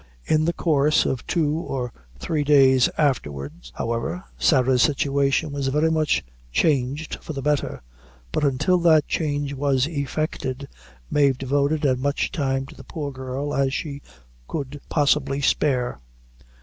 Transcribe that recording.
In the course of two or three days afterwards, however, Sarah's situation was very much changed for the better; but until that change was effected, Mave devoted as much time to the poor girl as she could possibly spare.